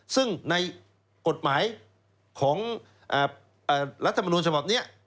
ซึ่งในกฎหมายของรัฐบาลมนุษย์สมบัตินี้